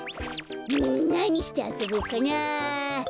なにしてあそぼっかな。